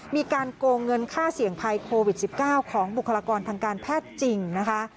มีการโกงเงินค่าเสี่ยงภัยโควิด๑๙ของบุคลากรทางการแพทย์จริงนะคะ